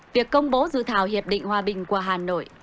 việc công bố dự thảo hiệp định hòa bình của hà nội